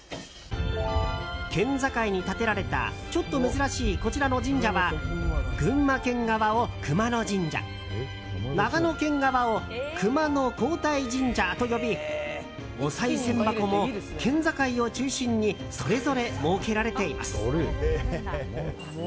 県境に建てられたちょっと珍しいこちらの神社は群馬県側を熊野神社長野県側を熊野皇大神社と呼びおさい銭箱も県境を中心にそれぞれ設けられています。